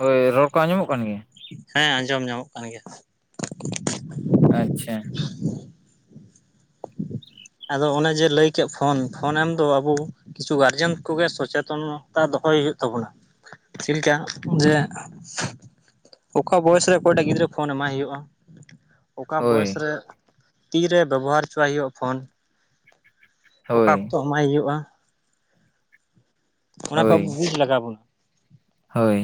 ᱦᱳᱭ ᱨᱚᱲ ᱠᱚ ᱟᱸᱡᱚᱢᱚᱜ ᱠᱟᱱ ᱜᱮᱭᱟ? ᱦᱮᱸ ᱟᱸᱡᱚᱢ ᱧᱟᱢᱚᱜ ᱠᱟᱱ ᱜᱮᱭᱟ ᱾ ᱟᱪᱪᱷᱟ᱾ ᱟᱫᱚ ᱚᱱᱮ ᱡᱮ ᱞᱟᱹᱭ ᱠᱮᱫ ᱯᱷᱳᱱ ᱯᱷᱳᱱ ᱮᱢ ᱫᱚ ᱟᱵᱚ ᱠᱤᱪᱷᱩ ᱜᱟᱨᱡᱮᱱ ᱠᱚᱜᱮ ᱥᱚᱪᱮᱛᱚᱱᱚᱛᱟ ᱫᱚᱦᱚᱭ ᱦᱩᱭᱩᱜ ᱛᱟᱵᱚᱱᱟ ᱾ ᱪᱮᱫ ᱞᱮᱠᱟ ᱡᱮ ᱚᱠᱟ ᱵᱚᱭᱮᱥ ᱨᱮ ᱚᱠᱚᱭᱴᱟᱜ ᱜᱤᱫᱽᱨᱟᱹ ᱯᱷᱳᱱ ᱮᱢᱟᱭ ᱦᱩᱭᱩᱜ-ᱟ ᱾ ᱚᱠᱟ ᱦᱳᱭ ᱵᱚᱭᱮᱥ ᱨᱮ ᱛᱤᱨᱮ ᱵᱮᱵᱚᱦᱟᱨ ᱦᱚᱪᱚᱟᱭ ᱦᱩᱭᱩᱜ-ᱟ ᱯᱷᱳᱱ᱾ ᱚᱠᱟ ᱦᱳᱭ ᱚᱠᱛᱚ ᱮᱢᱟᱭ ᱦᱩᱭᱩᱜ-ᱟ᱾ ᱚᱱᱟ ᱦᱳᱭ ᱠᱚ ᱟᱵᱚ ᱵᱩᱡ ᱞᱟᱜᱟᱣ ᱵᱚᱱᱟ ᱾ ᱦᱳᱭ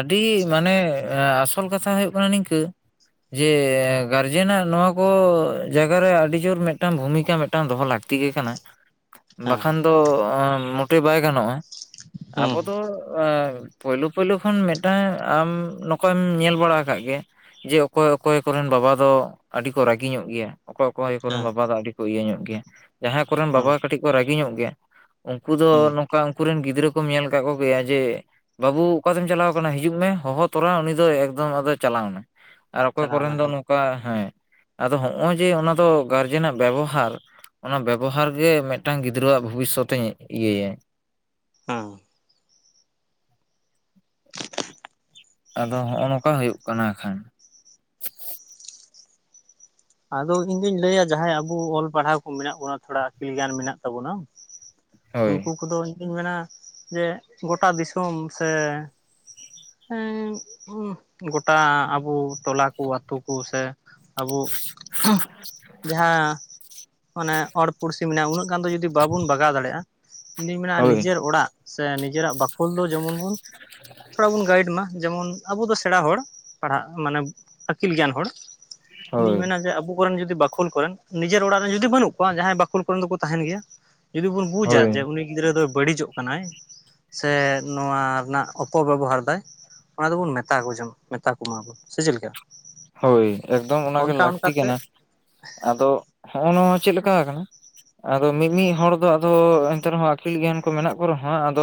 ᱟᱹᱰᱤ ᱢᱟᱱᱮ ᱟᱥᱚᱞ ᱠᱟᱛᱷᱟ ᱦᱩᱭᱩᱜ ᱠᱟᱱᱟ ᱱᱤᱝᱠᱟᱹ ᱡᱮ ᱜᱟᱨᱡᱮᱱᱟᱜ ᱱᱚᱣᱟ ᱠᱚ ᱡᱟᱭᱜᱟᱮ ᱟᱹᱰᱤ ᱡᱳᱨ ᱢᱤᱫᱴᱟᱝ ᱵᱷᱩᱢᱤᱠᱟ ᱢᱤᱫᱴᱟᱝ ᱫᱚᱦᱚ ᱞᱟᱹᱠᱛᱤ [inaudible] ᱦᱮᱸ ᱵᱟᱠᱷᱟᱱ ᱫᱚ ᱢᱚᱴᱮ ᱵᱟᱭ ᱜᱟᱱᱚᱜ-ᱟ, ᱦᱩᱸ ᱟᱵᱚ ᱫᱚ ᱯᱳᱭᱞᱳ ᱯᱳᱭᱞᱳ ᱠᱷᱚᱱ ᱢᱤᱫᱴᱟᱝ ᱟᱢ ᱱᱚᱝᱠᱟᱭᱢ ᱧᱮᱞ ᱵᱟᱲᱟ ᱟᱠᱟᱜ ᱜᱮᱭᱟ ᱾ ᱡᱮ ᱚᱠᱚᱭ ᱚᱠᱚᱭ ᱠᱚᱨᱮᱱ ᱵᱟᱵᱟ ᱫᱚ ᱟᱹᱰᱤ ᱠᱚ ᱨᱟᱹᱜᱤ ᱧᱚᱜ ᱜᱮᱭᱟ᱾ ᱚᱠᱚᱭ ᱚᱠᱚᱭ ᱠᱚᱨᱮᱱ ᱦᱮᱸ ᱵᱟᱵᱟ ᱫᱚ ᱟᱹᱰᱤ ᱠᱚ ᱤᱭᱟᱹ ᱧᱚᱜ ᱜᱮᱭᱟ ᱡᱟᱦᱟᱸᱭ ᱠᱚᱨᱮᱱ ᱦᱩᱸ ᱵᱟᱵᱟ ᱠᱟᱹᱴᱤᱡ ᱠᱚ ᱨᱟᱹᱜᱤ ᱧᱚᱜ ᱜᱮᱭᱟ ᱩᱱᱠᱩ ᱦᱩᱸ ᱫᱚ ᱱᱚᱝᱠᱟ ᱩᱱᱠᱩᱮᱱ ᱜᱤᱫᱽᱨᱟᱹ ᱠᱚᱢ ᱧᱮᱞ ᱟᱠᱟᱫ ᱠᱚᱜᱮᱭᱟ ᱡᱮ ᱵᱟᱹᱵᱩ ᱚᱠᱟᱛᱮᱢ ᱪᱟᱞᱟᱣ ᱟᱠᱟᱱᱟ ᱦᱤᱡᱩᱜ ᱢᱮ ᱦᱚᱦᱚ ᱛᱚᱨᱟ ᱩᱱᱤ ᱫᱚ ᱮᱠᱫᱚᱢ ᱟᱫᱚ ᱪᱟᱞᱟᱣᱱᱟᱭ ᱾ ᱟᱨ ᱚᱠᱚᱭ ᱪᱟᱞᱟᱣᱱᱟ ᱠᱚᱨᱮᱱ ᱫᱚ ᱦᱮᱸ ᱱᱚᱝᱠᱟ ᱦᱮᱸ ᱟᱫᱚ ᱦᱚᱜ-ᱚᱭ ᱡᱮ ᱚᱱᱟ ᱫᱚ ᱜᱟᱨᱡᱮᱱᱟᱜ ᱵᱮᱵᱚᱦᱟᱨ ᱚᱱᱟ ᱵᱮᱵᱚᱦᱟᱨ ᱜᱮ ᱢᱤᱫᱴᱟᱝ ᱜᱤᱫᱽᱨᱟᱹᱣᱟᱜ ᱵᱷᱚᱵᱤᱥᱚᱛ ᱤᱭᱟᱹᱟᱭ [inaudible] ᱟᱫᱚ ᱦᱚᱸᱜ-ᱚᱭ ᱱᱚᱝᱠᱟ ᱦᱩᱭᱩᱜ ᱠᱟᱱᱟ ᱟᱠᱷᱟᱱ ᱟᱫᱚ ᱤᱧ ᱫᱩᱧ ᱞᱟᱹᱭᱟ ᱡᱮ ᱡᱟᱦᱟ ᱟᱵᱚ ᱚᱞ ᱯᱟᱲᱦᱟᱣ ᱠᱚ ᱢᱮᱱᱟᱜ ᱵᱚᱱᱟ ᱛᱷᱚᱲᱟ ᱟᱹᱠᱤᱞ ᱜᱮᱭᱟᱱ ᱢᱮᱱᱟᱜ ᱛᱟᱵᱚᱱᱟ ᱦᱳᱭ ᱩᱱᱠᱩ ᱠᱚᱫᱚ ᱤᱧᱫᱩᱧ ᱢᱮᱱᱟ ᱡᱮ ᱜᱳᱴᱟ ᱫᱤᱥᱚᱢ ᱥᱮ ᱜᱚᱴᱟ ᱟᱵᱚ ᱴᱚᱞᱟ ᱠᱚ ᱟᱛᱩ ᱠᱚ ᱥᱮ ᱟᱵᱚ ᱡᱟᱦᱟᱸ ᱢᱟᱱᱮ ᱦᱚᱲ ᱯᱩᱲᱥᱤ ᱢᱮᱱᱟ ᱩᱱᱟᱹᱜ ᱜᱟᱱ ᱫᱚ ᱡᱩᱫᱤ ᱵᱟᱵᱚᱱ ᱵᱟᱜᱟᱣ ᱫᱟᱲᱮᱭᱟᱜ-ᱟ ᱾ ᱤᱧ ᱫᱩᱧ ᱵᱟᱲᱟᱭ ᱢᱮᱱᱟ ᱦᱳᱭ ᱱᱤᱡᱮᱨ ᱚᱲᱟᱜ ᱥᱮ ᱱᱤᱡᱮᱨᱟᱜ ᱵᱟᱠᱷᱳᱞ ᱫᱚ ᱡᱮᱢᱚᱱ ᱵᱚᱱ ᱛᱷᱚᱲᱟ ᱵᱚᱱ ᱜᱟᱭᱤᱰ ᱢᱟ, ᱡᱮᱢᱚᱱ ᱟᱵᱚ ᱫᱚ ᱥᱮᱬᱟ ᱦᱚᱲ ᱯᱟᱲᱦᱟᱜ ᱢᱟᱱᱮ ᱟᱹᱠᱤᱞ ᱜᱮᱭᱟᱱ ᱦᱚᱲ ᱤᱧ ᱦᱳᱭ ᱫᱩᱧ ᱢᱮᱱᱟ ᱟᱵᱚ ᱠᱚᱨᱮᱱ ᱡᱩᱫᱤ ᱵᱟᱠᱷᱳᱞ ᱠᱚ ᱨᱮᱱ ᱱᱤᱡᱮᱨ ᱚᱲᱟᱜ ᱨᱮᱱ ᱡᱩᱫᱤ ᱵᱟᱹᱱᱩᱜ ᱠᱚᱣᱟ ᱡᱟᱦᱟᱸᱭ ᱵᱟᱹᱠᱷᱳᱞ ᱠᱚᱨᱮᱱ ᱫᱚᱠᱚ ᱛᱟᱦᱮᱱ ᱜᱮᱭᱟ ᱡᱩᱫᱤ ᱵᱚᱱ ᱵᱩᱡᱟ ᱦᱳᱭ ᱡᱮ, ᱩᱱᱤ ᱜᱤᱫᱽᱨᱟᱹ ᱫᱚᱭ ᱵᱟᱹᱲᱤᱡᱚᱜ ᱠᱟᱱᱟᱭ, ᱥᱮ ᱱᱚᱣᱟ ᱨᱮᱱᱟᱜ ᱚᱯᱚᱵᱮᱵᱚᱦᱟᱨᱫᱟᱭ, ᱚᱱᱟ ᱫᱚᱵᱚᱱ ᱢᱮᱛᱟ ᱠᱚ ᱡᱮ ᱢᱮᱛᱟ ᱠᱚᱢᱟᱵᱚᱱ, ᱥᱮ ᱪᱮᱫ ᱞᱮᱠᱟ? ᱦᱳᱭ ᱮᱠᱫᱚᱢ ᱚᱱᱟ ᱜᱮ ᱚᱱᱠᱟ ᱞᱟᱹᱠᱛᱤ ᱚᱱᱠᱟᱛᱮ ᱠᱟᱱᱟ ᱟᱫᱚ ᱦᱚᱸᱜᱼᱚ ᱱᱚᱣᱟ ᱪᱮᱫ ᱞᱮᱠᱟ ᱟᱠᱟᱱᱟ, ᱟᱫᱚ ᱢᱤᱢᱤᱫ ᱦᱚᱲ ᱫᱚ ᱟᱫᱚ ᱮᱱᱛᱮ ᱨᱮᱦᱚᱸ ᱟᱹᱠᱤᱞ ᱜᱮᱭᱟᱱ ᱠᱚ ᱢᱮᱱᱟᱜ ᱠᱚ ᱨᱮ ᱦᱚᱸ ᱟᱫᱚ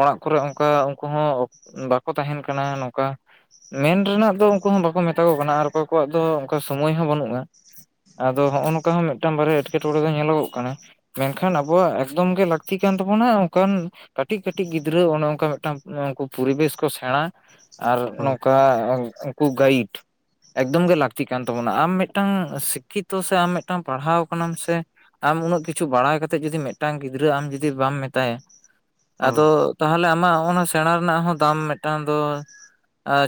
ᱚᱲᱟᱜ ᱠᱚᱨᱮ ᱚᱱᱠᱟ ᱩᱱᱠᱩ ᱦᱚᱸ ᱵᱟᱠᱚ ᱛᱟᱦᱮᱱ ᱠᱟᱱᱟ ᱱᱚᱝᱠᱟ, ᱢᱮᱱ ᱨᱮᱱᱟᱜ ᱫᱚ ᱩᱱᱠᱩ ᱦᱚᱸ ᱵᱟᱠᱚ ᱢᱮ ᱢᱮᱛᱟᱠᱚ ᱠᱟᱱᱟ ᱟᱨ ᱚᱠᱚᱭ ᱠᱚᱣᱟᱜ ᱫᱚ ᱚᱱᱠᱟ ᱥᱳᱢᱳᱭ ᱦᱚᱸ ᱵᱟᱹᱱᱩᱜᱼᱟ, ᱟᱫᱚ ᱦᱚᱜᱼᱚᱭ ᱱᱚᱝᱠᱟ ᱦᱚᱸ ᱢᱤᱫᱴᱟᱝ ᱵᱟᱨᱭᱟ ᱮᱴᱠᱮᱴᱚᱬᱮ ᱫᱚ ᱧᱮᱞᱚᱜᱚᱜ ᱠᱟᱱᱟ ᱾ ᱢᱮᱱ ᱠᱷᱟᱱ ᱟᱵᱚᱣᱟᱜ ᱮᱠᱫᱚᱢ ᱜᱮ ᱞᱟᱹᱠᱛᱤ ᱠᱟᱱ ᱛᱟᱵᱚᱱᱟ ᱚᱱᱠᱟᱱ ᱠᱟᱹᱴᱤᱡ ᱠᱟᱹᱴᱤᱡ ᱜᱤᱫᱽᱨᱟᱹ ᱚᱱᱮ ᱚᱱᱠᱟ ᱢᱤᱫᱴᱟᱝ ᱩᱱᱠᱩ ᱯᱚᱨᱤᱵᱮᱥ ᱠᱚ ᱥᱮᱬᱟ, ᱟᱨ ᱦᱩᱸ ᱱᱚᱝᱠᱟ ᱩᱱᱠᱩ ᱜᱟᱭᱤᱰ, ᱮᱠᱫᱚᱢ ᱜᱮ ᱞᱟᱹᱠᱛᱤᱜ ᱠᱟᱱ ᱛᱟᱵᱚᱱᱟ, ᱟᱢ ᱢᱤᱫᱴᱟᱝ ᱥᱤᱠᱠᱷᱤᱛᱚ ᱥᱮ ᱟᱢ ᱢᱤᱫᱴᱟᱝ ᱯᱟᱲᱦᱟᱣ ᱠᱟᱱᱟᱢ ᱥᱮ ᱟᱢ ᱩᱱᱟᱹᱜ ᱠᱤᱪᱷᱩ ᱵᱟᱲᱟᱭ ᱠᱟᱛᱮᱫ ᱡᱩᱫᱤ ᱢᱤᱫᱴᱟᱝ ᱜᱤᱫᱽᱨᱟᱹ ᱟᱢ ᱡᱩᱫᱤ ᱵᱟᱢ ᱢᱮᱛᱟᱭᱟ, ᱦᱩᱸ ᱟᱫᱚ ᱛᱟᱦᱚᱞᱮ ᱟᱢᱟᱜ ᱚᱱᱟ ᱥᱮᱬᱟ ᱨᱮᱱᱟᱜ ᱦᱚᱸ ᱫᱟᱢ ᱢᱤᱫᱴᱟᱝ ᱫᱚ,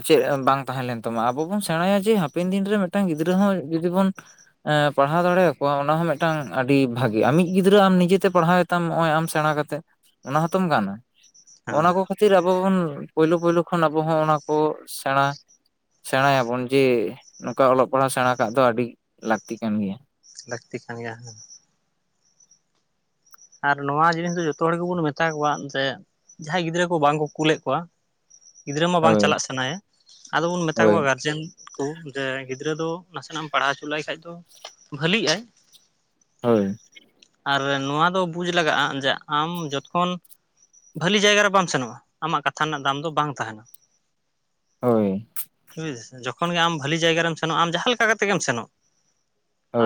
ᱪᱮᱫ ᱵᱟᱝ ᱛᱟᱦᱮᱸ ᱞᱮᱱ ᱛᱟᱢᱟ ᱟᱵᱚ ᱵᱚᱱ ᱥᱮᱬᱟᱭᱟ ᱡᱮ ᱦᱟᱯᱮᱱ ᱫᱤᱱ ᱨᱮ ᱢᱤᱫᱴᱟᱝ ᱜᱤᱫᱽᱨᱟᱹ ᱦᱚᱸ ᱡᱩᱫᱤ ᱵᱚᱱ, ᱯᱟᱲᱦᱟᱣ ᱫᱟᱲᱮᱭᱟᱠᱚᱣᱟ ᱚᱱᱟ ᱦᱚᱸ ᱢᱤᱫᱴᱟᱝ ᱟᱹᱰᱤ ᱵᱷᱟᱜᱮ ᱟᱢᱤᱧ ᱜᱤᱫᱽᱨᱟᱹ ᱟᱢ ᱱᱤᱡᱮᱛᱮ ᱯᱟᱲᱦᱟᱣ ᱛᱟᱢ ᱱᱚᱜᱼᱚᱭ ᱟᱢ ᱥᱮᱬᱟ ᱠᱟᱛᱮ ᱚᱱᱟ ᱦᱚᱸᱛᱚᱢ ᱜᱟᱱᱟ, ᱦᱮᱸ ᱚᱱᱟ ᱠᱚ ᱠᱷᱟᱹᱛᱤᱨ ᱟᱵᱚ ᱵᱚᱱ ᱯᱳᱭᱞᱳ ᱯᱳᱭᱞᱳ ᱠᱷᱚᱱ ᱟᱵᱚ ᱦᱚᱸ ᱚᱱᱟ ᱠᱚ ᱥᱮᱬᱟ ᱥᱮᱬᱟᱭᱟᱵᱚᱱ, ᱡᱮ ᱱᱚᱝᱠᱟ ᱚᱞᱚᱜ ᱯᱟᱲᱦᱟᱣ ᱥᱮᱬᱟ ᱠᱟᱜ ᱫᱚ ᱟᱹᱰᱤ ᱞᱟᱹᱠᱛᱤ ᱠᱟᱱ ᱜᱮᱭᱟ ᱾ ᱞᱟᱹᱠᱛᱤ ᱠᱟᱱ ᱜᱮᱭᱟ, ᱟᱨ ᱱᱚᱣᱟ ᱡᱤᱱᱤᱥ ᱫᱚ ᱡᱚᱛᱚ ᱦᱚᱲ ᱜᱮᱵᱚᱱ ᱢᱮᱛᱟ ᱠᱚᱣᱟ ᱡᱮ ᱡᱟᱦᱟᱸᱭ ᱜᱤᱫᱽᱨᱟᱹ ᱠᱚ ᱵᱟᱝ ᱠᱳᱞ ᱞᱮᱫ ᱠᱚᱣᱟ ᱾ ᱜᱤᱫᱽᱨᱟᱹ ᱢᱟ ᱵᱟᱝ ᱦᱳᱭ ᱪᱟᱞᱟᱜ ᱥᱟᱱᱟᱭᱮᱭᱟ, ᱟᱫᱚ ᱵᱚᱱ ᱢᱮᱛᱟ ᱦᱳᱭ ᱠᱚᱣᱟ ᱜᱟᱨᱡᱮᱱ ᱠᱳ ᱡᱮ ᱜᱤᱫᱽᱨᱟᱹ ᱫᱚ ᱱᱟᱥᱮᱱᱟᱜ ᱮᱢ ᱯᱟᱲᱦᱟᱣ ᱦᱚᱪᱚ ᱞᱟᱭ ᱠᱷᱟᱡ ᱫᱚ ᱵᱷᱟᱹᱞᱤᱜ ᱟᱭ, ᱦᱳᱭ, ᱟᱨ ᱱᱚᱣᱟ ᱫᱚ ᱵᱩᱡᱽ ᱞᱟᱜᱟᱜ-ᱟ, ᱡᱮ ᱟᱢ ᱡᱚᱠᱷᱚᱱᱼᱼ ᱵᱷᱷᱟᱞᱤ ᱡᱟᱭᱜᱟ ᱨᱮ ᱵᱟᱢ ᱥᱮᱱᱚᱜ-ᱟ, ᱟᱢᱟᱜ ᱠᱟᱛᱷᱟ ᱨᱮᱱᱟᱜ ᱫᱟᱢ ᱫᱚ ᱵᱟᱝ ᱛᱟᱦᱮᱱᱟ᱾ ᱦᱳᱭ, ᱡᱚᱠᱷᱚᱱ ᱜᱮ ᱟᱢ ᱵᱷᱟᱹᱞᱤ ᱡᱟᱭᱜᱟ ᱨᱮᱢ ᱥᱮᱱᱚᱜ-ᱟ ᱟᱢ ᱡᱟᱦᱟᱸ ᱞᱮᱠᱟ ᱠᱟᱛᱮ ᱜᱮᱢ ᱥᱮᱱᱚᱜ᱾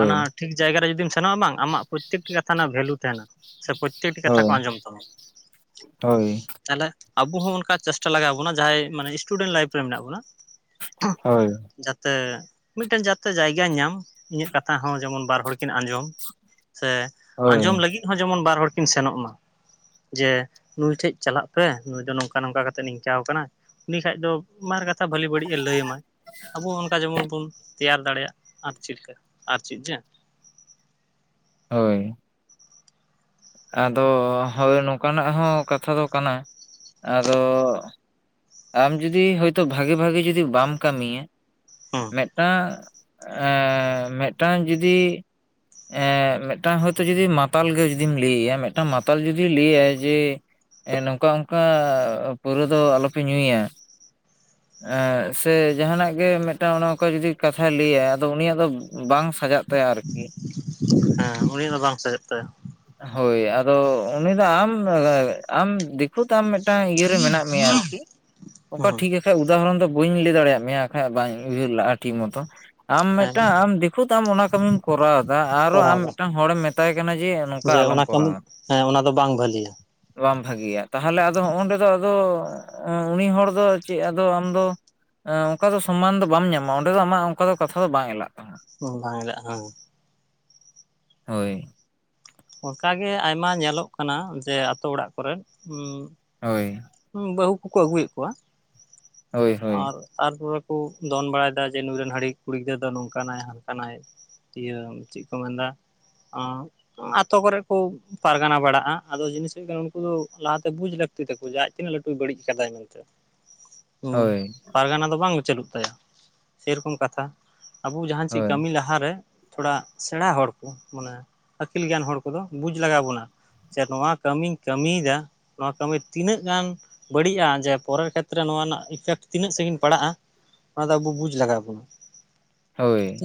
ᱟᱱᱟ ᱴᱷᱤᱠ ᱡᱟᱭᱜᱟ ᱨᱮ ᱡᱩᱫᱤᱢ ᱥᱮᱱᱚᱜ-ᱟ ᱵᱟᱝ ᱟᱢᱟᱜ ᱯᱚᱨᱛᱛᱮᱠᱴᱤ ᱠᱟᱛᱷᱟ ᱨᱮᱱᱟᱜ ᱵᱷᱮᱞᱩ ᱛᱟᱦᱮᱱᱟ ᱥᱮ ᱯᱚᱨᱛᱛᱮᱠᱴᱤ ᱠᱟᱛᱷᱟ ᱠᱚ ᱦᱳᱭ ᱟᱸᱡᱚᱢ ᱛᱟᱢᱟ, ᱦᱳᱭ ᱛᱟᱦᱚᱞᱮ ᱟᱵᱚ ᱦᱚᱸ ᱚᱱᱠᱟ ᱪᱮᱥᱴᱟ ᱞᱟᱜᱟᱣ ᱟᱵᱚᱱᱟ ᱡᱟᱦᱟᱸᱭ ᱢᱟᱱᱮ ᱤᱥᱴᱩᱰᱮᱱᱴ ᱞᱟᱭᱤᱯᱷ ᱨᱮ ᱢᱮᱱᱟᱜ ᱵᱚᱱᱟ ᱾ ᱦᱳᱭ [inaudible] ᱛᱮ ᱢᱤᱫᱴᱮᱱ ᱡᱟᱛᱮ ᱡᱟᱭᱜᱟᱭ ᱧᱟᱢ ᱤᱧᱟᱹᱜ ᱠᱟᱛᱷᱟ ᱦᱚᱸ ᱡᱮᱢᱚᱱ ᱵᱟᱨ ᱦᱚᱲ ᱠᱤᱱ ᱟᱸᱡᱚᱢ᱾ ᱥᱮ ᱦᱳᱭ ᱟᱸᱡᱚᱢ ᱞᱟᱹᱜᱤᱫ ᱦᱚᱸ ᱡᱮᱢᱚᱱ ᱵᱟᱨ ᱦᱚᱲ ᱠᱤᱱ ᱥᱮᱱᱚᱜ ᱢᱟ᱾ ᱡᱮ ᱱᱩᱭ ᱴᱷᱮᱡ ᱪᱟᱞᱟᱜ ᱯᱮ ᱱᱩᱭ ᱫᱚ ᱱᱚᱝᱠᱟ ᱱᱚᱝᱠᱟ ᱠᱟᱛᱮ ᱱᱤᱝᱠᱟᱹ ᱟᱠᱚ ᱠᱟᱱᱟ᱾ ᱩᱱᱤ ᱠᱷᱟᱡ ᱫᱚ ᱵᱟᱨ ᱠᱟᱛᱷᱟ ᱵᱷᱟᱹᱞᱤ ᱵᱟᱹᱲᱤᱡ ᱮ ᱞᱟᱹᱭ ᱟᱢᱟᱭ ᱟᱵᱚ ᱚᱱᱠᱟ ᱡᱮᱢᱚᱱ ᱵᱚᱱᱼᱼ ᱛᱮᱭᱟᱨ ᱫᱟᱲᱮᱭᱟᱜ ᱟᱨ [inaudible] ᱟᱨ ᱪᱤᱫ ᱡᱮᱼᱼ ᱦᱳᱭ, ᱟᱫᱚ ᱦᱳᱭ ᱱᱚᱝᱠᱟ ᱱᱟᱜ ᱦᱚᱸ ᱠᱟᱛᱷᱟ ᱫᱚ ᱠᱟᱱᱟ ᱟᱫᱚ ᱟᱢ ᱡᱩᱫᱤ ᱦᱳᱭᱛᱳ ᱵᱷᱟᱜᱮ ᱵᱷᱟᱜᱮ ᱡᱩᱫᱤ ᱵᱟᱢ ᱠᱟᱹᱢᱤᱭᱟ ᱾ ᱩᱸ᱾ ᱢᱮᱜᱴᱟᱝ ᱮᱻ ᱢᱮᱜᱴᱟᱝ ᱡᱩᱫᱤᱼᱼ ᱮᱻ ᱢᱮᱜᱴᱟᱝ ᱦᱳᱭᱛᱚ ᱡᱩᱫᱤ ᱢᱟᱛᱟᱞ ᱜᱮᱼᱼ ᱡᱩᱫᱤᱢ ᱞᱟᱹᱭ ᱭᱟ ᱢᱮᱫᱴᱟᱝ ᱢᱟᱛᱟᱞ ᱡᱩᱫᱤ ᱞᱟᱹᱭᱟᱭ ᱡᱮᱼᱼ ᱮ ᱱᱚᱝᱠᱟ ᱚᱝᱠᱟ ᱯᱟᱹᱣᱨᱟᱹ ᱫᱚ ᱟᱞᱚ ᱯᱮ ᱧᱩᱭᱟ᱾ ᱮ ᱥᱮ ᱡᱟᱦᱟᱸᱱᱟᱜ ᱜᱮ ᱢᱮᱫᱴᱟᱝ ᱚᱱᱮ ᱚᱱᱠᱟ ᱡᱩᱫᱤ ᱠᱟᱛᱷᱟᱭ ᱞᱟᱹᱭᱟ ᱟᱫᱚ ᱩᱱᱤᱭᱟᱜ ᱫᱚ ᱵᱟᱝ ᱥᱟᱡᱟᱜᱼᱼ ᱛᱟᱭᱟ ᱟᱨᱠᱤ᱾ ᱦᱮᱸ ᱩᱱᱤ ᱫᱚ ᱵᱟᱝ ᱥᱟᱡᱟᱜ ᱛᱟᱭᱟ᱾ ᱦᱳᱭ ᱟᱫᱚ ᱩᱱᱤ ᱫᱚ ᱟᱢ ᱮ ᱟᱢ ᱫᱤᱠᱷᱩᱛ ᱟᱢ ᱢᱮᱫᱼᱼ ᱴᱟᱝ ᱤᱭᱟᱹᱨᱮ ᱢᱮᱱᱟᱜ ᱢᱮᱭᱟ ᱟᱨᱠᱤ, ᱚᱠᱟ ᱦᱩᱸ ᱴᱷᱤᱠᱟᱼᱼ ᱠᱷᱟᱡ ᱩᱫᱟᱦᱚᱨᱚᱱ ᱫᱚ ᱵᱟᱹᱧ ᱞᱟᱹᱭ ᱫᱟᱲᱮᱭᱟᱜ ᱢᱮᱭᱟ ᱟᱠᱷᱟᱡ ᱵᱟᱧ ᱩᱭᱦᱟᱹᱨ ᱞᱟᱜ-ᱟ ᱴᱷᱤᱠ ᱢᱚᱛᱚ᱾ ᱟᱢ ᱦᱮᱸ ᱢᱮᱜᱴᱟᱝ ᱟᱢ ᱫᱤᱠᱷᱩᱛ ᱟᱢ ᱚᱱᱟ ᱠᱟᱹᱢᱤᱢ ᱠᱚᱨᱟᱣ ᱫᱟ ᱟᱨᱚ ᱠᱚᱨᱟᱣ ᱟᱢ ᱫᱟ ᱢᱮᱜᱴᱟᱝ ᱦᱚᱲᱮᱢ ᱢᱮᱛᱟᱭ ᱠᱟᱱᱟ ᱡᱮᱼᱼ ᱡᱮ ᱚᱱᱟ ᱠᱟᱹᱢᱤ, ᱦᱮᱸ ᱚᱱᱟ ᱫᱚ ᱵᱟᱝ ᱵᱷᱟᱹᱞᱤᱭᱟ᱾ ᱵᱟᱝ ᱵᱷᱟᱜᱤᱭᱟ ᱛᱟᱦᱚᱞᱮ ᱟᱫᱚ ᱦᱚᱸᱜ-ᱚᱸᱰᱮ ᱫᱚ ᱟᱫᱚ, ᱚ ᱩᱱᱤ ᱦᱚᱲ ᱫᱚ ᱪᱮᱫ ᱟᱫᱚ ᱟᱢ ᱫᱚᱼᱼ ᱮ‌ ᱚᱝᱠᱟ ᱫᱚ ᱥᱚᱢᱢᱟᱱ ᱫᱚ ᱵᱟᱢ ᱧᱟᱢᱟ, ᱚᱸᱰᱮ ᱫᱚ ᱟᱢᱟᱜ ᱚᱱᱠᱟ ᱫᱚ ᱠᱟᱛᱷᱟ ᱫᱚ ᱵᱟᱝ ᱮᱞᱟᱜ ᱛᱟᱢᱟ᱾ ᱚ ᱵᱟᱝ ᱮᱞᱟᱜ-ᱟ ᱦᱮᱸ᱾ ᱦᱳᱭ᱾ ᱚᱱᱠᱟ ᱜᱮ ᱟᱭᱢᱟ ᱧᱮᱞᱚᱜ ᱠᱟᱱᱟ ᱡᱮ ᱟᱛᱳ ᱚᱲᱟᱜ ᱠᱚᱨᱮᱫ ᱩᱸᱼᱼ ᱦᱳᱭ᱾ ᱩᱢ ᱵᱟᱹᱦᱩ ᱠᱩ ᱠᱚ ᱟᱹᱜᱩᱭᱮᱜ ᱠᱚᱣᱟ᱾ ᱦᱳᱭ ᱦᱳᱭ ᱟᱨ ᱛᱟᱨᱯᱚᱨᱮ ᱠᱩ ᱫᱚᱱ ᱵᱟᱲᱟᱭ ᱫᱟ ᱡᱮ ᱱᱩᱭ ᱨᱮᱱ ᱦᱟᱺᱰᱤ ᱠᱩᱲᱤ ᱜᱤᱫᱽᱨᱟᱹ ᱫᱚ ᱱᱚᱝᱠᱟ ᱱᱟᱭ ᱦᱟᱱᱠᱟ ᱱᱟᱭ᱾ ᱤᱭᱟᱹ ᱪᱮᱫ ᱠᱚ ᱢᱮᱱ ᱫᱟ ᱚᱸᱼᱼ ᱚᱸ ᱟᱛᱳ ᱠᱚᱨᱮ ᱠᱩ ᱯᱟᱨᱜᱟᱱᱟ ᱵᱟᱲᱟᱜ-ᱟ ᱟᱫᱚ ᱡᱤᱱᱤᱥ ᱦᱩᱭᱩᱜ ᱠᱟᱱᱟ ᱩᱱᱠᱩ ᱫᱚ ᱞᱟᱦᱟ ᱛᱮ ᱵᱩᱡ ᱞᱮᱠᱼᱼ ᱛᱤ ᱛᱟᱠᱚ ᱡᱮ ᱟᱡ‌ ᱛᱤᱱᱟᱹᱜ ᱞᱟᱹᱴᱩᱭ ᱵᱟᱹᱲᱤᱡ ᱠᱟᱫᱟᱭ ᱢᱮᱱᱛᱮ᱾ ᱦᱳᱭ᱾ ᱯᱟᱨᱜᱟᱱᱟ ᱫᱚ ᱵᱟᱝ ᱪᱟᱹᱞᱩᱜ ᱛᱟᱭᱟ, ᱥᱮᱭ ᱨᱚᱠᱚᱢ ᱠᱟᱛᱷᱟ ᱟᱹᱵᱩ ᱡᱟᱦᱟᱸ ᱪᱮᱜ ᱦᱳᱭ ᱠᱟᱹᱢᱤ ᱞᱟᱦᱟ ᱨᱮᱼᱼ ᱛᱷᱚᱲᱟ ᱥᱮᱬᱟ ᱦᱚᱲ ᱠᱚ, ᱢᱟᱱᱮ ᱟᱹᱠᱤᱞ ᱜᱮᱭᱟᱱ ᱦᱚᱲ ᱠᱚᱫᱚ ᱵᱩᱡᱽ ᱞᱟᱜᱟᱣ ᱵᱚᱱᱟ᱾ ᱪᱮ‌ ᱱᱚᱣᱟ ᱠᱟᱹᱢᱤᱧ ᱠᱟᱹᱢᱤᱭ ᱫᱟᱼᱼ ᱱᱚᱣᱟ ᱠᱟᱹᱢᱤ ᱛᱤᱱᱟᱹᱜ ᱜᱟᱱ ᱵᱟᱹᱲᱤᱡ-ᱟ ᱡᱮ ᱯᱚᱨᱮ ᱠᱷᱮᱛᱨᱮ ᱱᱚᱣᱟ ᱨᱮᱱᱟᱜᱼᱼ ᱤᱯᱷᱮᱠᱴ ᱛᱤᱱᱟᱹᱜ ᱥᱟᱜᱤᱧ ᱯᱟᱲᱟᱜ-ᱟ ᱚᱱᱟ ᱫᱚ ᱟᱹᱵᱩ ᱵᱩᱡᱽ ᱞᱟᱜᱟᱣ ᱵᱚᱱᱟ᱾ ᱦᱳᱭ᱾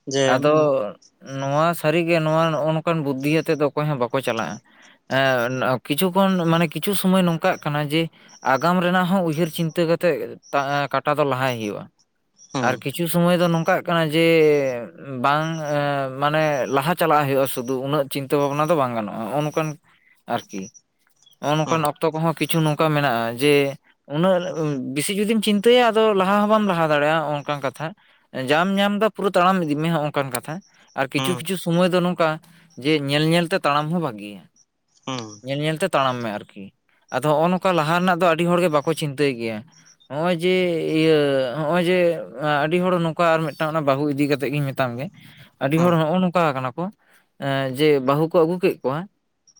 ᱛᱤ ᱟᱫᱚ ᱱᱚᱣᱟ ᱥᱟᱹᱨᱤ ᱜᱮ ᱱᱚᱣᱟ ᱱᱚᱜ-ᱚ ᱱᱚᱝᱠᱟᱱ ᱵᱩᱫᱽᱫᱷᱤ ᱟᱛᱮᱜ ᱫᱚ ᱚᱠᱚᱭ ᱦᱚᱸ ᱵᱟᱠᱚ ᱪᱟᱞᱟᱜ-ᱟ᱾ ᱮ ᱠᱤᱪᱷᱩ ᱠᱷᱚᱱ ᱢᱟᱱᱮ ᱠᱤᱪᱷᱩ ᱥᱚᱢᱚᱭ ᱱᱚᱝᱠᱟᱜ ᱠᱟᱱᱟ ᱡᱮ᱾ ᱟᱜᱟᱢ ᱨᱮᱱᱟᱜ ᱦᱚᱸ ᱩᱭᱦᱟᱹᱨ ᱪᱤᱱᱛᱟᱹ ᱠᱟᱛᱮᱜ, ᱠᱟᱴᱟ ᱫᱚ ᱞᱟᱦᱟᱭ ᱦᱩᱭᱩᱜ-ᱟ᱾ ᱦᱩᱸ ᱟᱨ ᱠᱤᱪᱷᱩ ᱥᱚᱢᱚᱭ ᱫᱚ ᱱᱚᱝᱠᱟᱜ ᱠᱟᱱᱟ ᱡᱮᱻ᱾ ᱵᱟᱝ ᱮ ᱢᱟᱱᱮ ᱞᱟᱦᱟ ᱪᱟᱞᱟᱜ ᱦᱩᱭᱩᱜ-ᱟ ᱥᱩᱫᱷᱩ ᱩᱱᱟᱹᱜ ᱪᱤᱱᱛᱟᱹ ᱵᱷᱟᱵᱱᱟ ᱫᱚ ᱵᱟᱝ ᱜᱟᱱᱚᱜ-ᱟ ᱱᱚᱜ-ᱚ ᱱᱚᱝᱠᱟᱱ᱾ ᱟᱨᱠᱤ ᱱᱚᱜ-ᱚ ᱦᱩᱸ ᱱᱚᱝᱠᱟᱱ ᱚᱠᱛᱚ ᱠᱚᱦᱚᱸ ᱠᱤᱪᱷᱩ ᱱᱚᱝᱠᱟ ᱢᱮᱱᱟᱜ-ᱟ ᱡᱮ᱾ ᱩᱱᱟᱹᱜ ᱵᱮᱥᱤ ᱡᱩᱫᱤᱢ ᱪᱤᱱᱛᱟᱹᱭᱟ ᱟᱫᱚ ᱞᱟᱦᱟ ᱦᱚᱸ ᱵᱟᱢ ᱞᱟᱦᱟ ᱫᱟᱲᱮᱭᱟᱜ-ᱟ ᱱᱚᱜ-ᱚ ᱚᱝᱠᱟᱱ ᱠᱟᱛᱷᱟ᱾ ᱡᱟᱢ ᱧᱟᱢᱫᱟ ᱯᱩᱨᱟᱹ ᱛᱟᱲᱟᱢ ᱤᱫᱤᱜ ᱢᱮ ᱦᱚᱜ-ᱚ ᱚᱱᱠᱟᱱ ᱠᱟᱛᱷᱟ, ᱟᱨ ᱠᱤᱪᱷᱩ ᱠᱤᱪᱷᱩ ᱥᱚᱢᱚᱭ ᱫᱚ ᱱᱚᱝᱠᱟ᱾ ᱡᱮ ᱧᱮᱞ ᱧᱮᱞᱛᱮ ᱛᱟᱲᱟᱢ ᱦᱚᱸ ᱵᱷᱟᱜᱮᱤᱭᱟ, ᱦᱩᱸ ᱧᱮᱞ ᱧᱮᱞᱛᱮ ᱛᱟᱲᱟᱢ ᱢᱮ ᱟᱨᱠᱤ᱾ ᱟᱫᱚ ᱦᱚᱸᱜ-ᱚ ᱱᱚᱝᱠᱟ ᱞᱟᱦᱟ ᱨᱮᱱᱟᱜ ᱫᱚ ᱟᱹᱰᱤ ᱦᱚᱲᱜᱮ ᱵᱟᱠᱚ ᱪᱤᱱᱛᱟᱹᱭ ᱜᱮᱭᱟ᱾ ᱱᱚᱜ ᱚᱭ ᱡᱮ ᱤᱭᱟᱹ ᱱᱚᱜ ᱚᱭ ᱡᱮ ᱟᱹᱰᱤ ᱦᱚᱲ ᱱᱚᱝᱠᱟ ᱟᱨ ᱢᱤᱫᱴᱟᱝ ᱚᱱᱟ ᱵᱟᱹᱦᱩ ᱤᱫᱤ ᱠᱟ ᱟᱛᱮᱫ ᱜᱤᱧ ᱢᱮᱛᱟᱢ ᱜᱮ ᱟᱹᱰᱤ ᱦᱚᱲ ᱦᱩᱸ ᱱᱚᱜ-ᱚ ᱱᱚᱝᱠᱟ ᱠᱟᱱᱟ ᱠᱚ ᱡᱮ ᱵᱟᱹᱦᱩ ᱠᱚ ᱟᱹᱜᱩ ᱠᱮᱫ ᱠᱚᱣᱟ᱾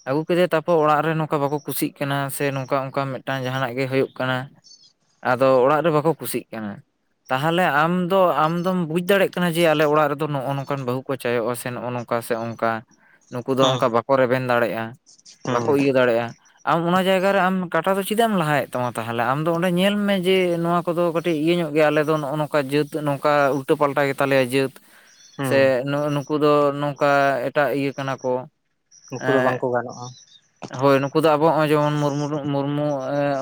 ᱟᱹᱜᱩ ᱠᱮᱫᱮ ᱛᱟᱨᱯᱚᱨ ᱚᱲᱟᱜ ᱨᱮ ᱱᱚᱝᱠᱟ ᱵᱟᱠᱚ ᱠᱩᱥᱤᱜ ᱠᱟᱱᱟ ᱥᱮ ᱱᱚᱝᱠᱟ ᱚᱝᱠᱟ ᱢᱤᱫᱴᱟᱝ ᱡᱟᱦᱟᱱᱟᱜ ᱜᱮ ᱦᱩᱭᱩᱜ ᱠᱟᱱᱟ᱾ ᱟᱫᱚ ᱚᱲᱟᱜ ᱨᱮ ᱵᱟᱠᱚ ᱠᱩᱥᱤᱜ ᱠᱟᱱᱟ, ᱛᱟᱦᱚᱞᱮ ᱟᱢ ᱫᱚ ᱟᱢᱫᱚᱢ ᱵᱩᱡ ᱫᱟᱲᱭᱟᱜ ᱠᱟᱱᱟ ᱡᱮ ᱟᱞᱮ ᱚᱲᱟᱜ ᱨᱮᱫᱚ ᱱᱚᱜᱼᱚ ᱱᱚᱝᱠᱟᱱ ᱵᱟᱹᱦᱩ ᱠᱚ ᱪᱟᱭᱚᱜᱼᱟ ᱥᱮ ᱱᱚᱜᱼᱚ ᱱᱚᱝᱠᱟ ᱥᱮ ᱚᱝᱠᱟ ᱱᱩᱠᱩ ᱫᱚ ᱦᱩᱸ ᱚᱝᱠᱟ ᱵᱟᱠᱚ ᱨᱮᱵᱮᱱ ᱫᱟᱲᱮᱭᱟᱜᱼᱟ ᱦᱩᱸ ᱵᱟᱠᱚ ᱤᱭᱟᱹ ᱫᱟᱲᱮᱭᱟᱜᱼᱟ, ᱟᱢ ᱚᱱᱟ ᱡᱟᱭᱜᱟ ᱨᱮ ᱟᱢ ᱠᱟᱴᱟ ᱫᱚ ᱪᱮᱫᱟᱜ ᱮᱢ ᱞᱟᱦᱟᱭᱮᱫ ᱛᱟᱢᱟ ᱛᱟᱦᱚᱞᱮ ᱟᱢ ᱫᱚ ᱚᱸᱰᱮ ᱧᱮᱞ ᱢᱮ ᱡᱮ ᱱᱚᱣᱟ ᱠᱚᱫᱚ ᱠᱟᱹᱴᱤᱡ ᱤᱭᱟᱹ ᱧᱚᱜ ᱜᱮᱭᱟ ᱟᱞᱮ ᱫᱚ ᱱᱚᱜᱼᱚ ᱱᱚᱝᱠᱟ ᱡᱟᱹᱛ ᱱᱚᱝᱠᱟ ᱩᱞᱴᱟᱹ ᱯᱟᱞᱴᱟ ᱜᱮ ᱛᱟᱞᱮᱭᱟ ᱡᱟᱹᱛ ᱥᱮ ᱦᱩᱸ ᱱᱩ ᱱᱩᱠᱩ ᱫᱚ ᱱᱚᱝᱠᱟ ᱮᱴᱟᱜ ᱤᱭᱟᱹ ᱠᱟᱱᱟ ᱠᱚ, ᱱᱩᱠᱩ ᱫᱚ ᱵᱟᱝᱠᱚ ᱜᱟᱱᱚᱜᱼᱟ᱾ ᱦᱳᱭ ᱱᱩᱠᱩ ᱫᱚ ᱟᱵᱚ ᱱᱚᱸᱜᱼᱚᱭ ᱡᱮᱢᱚᱱ ᱢᱩᱨᱢᱩ ᱢᱩᱨᱢᱩ